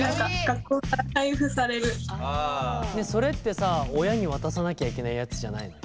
それってさ親に渡さなきゃいけないやつじゃないの？